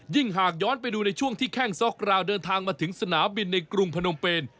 หากย้อนไปดูในช่วงที่แข้งซ็อกราวเดินทางมาถึงสนามบินในกรุงพนมเป็น